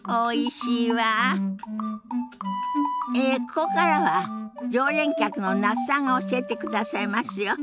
ここからは常連客の那須さんが教えてくださいますよ。